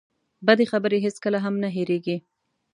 بدې خبرې هېڅکله هم نه هېرېږي.